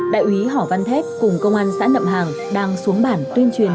đại úy hỏ văn thép cùng công an xã nậm hàng đang xuống bản tuyên truyền